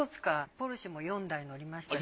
ポルシェも４台乗りましたし。